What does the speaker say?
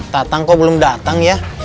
tatang kok belum datang ya